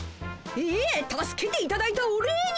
ええ助けていただいたお礼に。